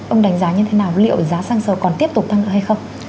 ông đánh giá như thế nào liệu giá xăng dầu còn tiếp tục tăng nữa hay không